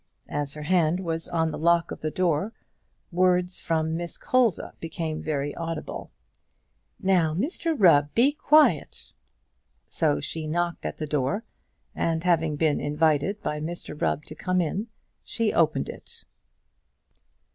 As her hand was on the lock of the door, words from Miss Colza became very audible. "Now, Mr Rubb, be quiet." So she knocked at the door, and having been invited by Mr Rubb to come in, she opened it.